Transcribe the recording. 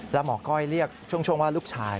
แล้วหมอก้อยเรียกช่วงว่าลูกชาย